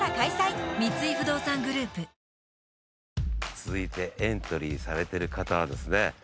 続いてエントリーされてる方はですね。